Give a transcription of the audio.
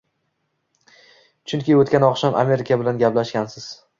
chunki oʻtgan oqshom Amerika bilan gaplashgansiz.